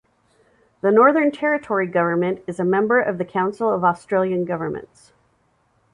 The Northern Territory Government is a member of the Council of Australian Governments.